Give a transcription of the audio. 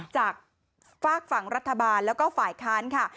จากฝากฝั่งรัฐบาลแล้วก็ฝ่ายค้านค่ะ